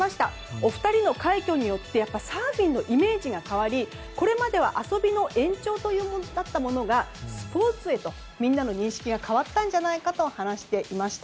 お二人の快挙によってサーフィンのイメージが変わりこれまでは遊びの延長だったものがスポーツへみんなの認識が変わったと話していました。